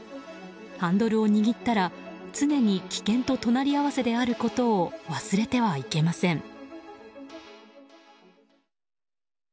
ハンドルを握ったら常に危険と隣り合わせであることを忘れてはいけません。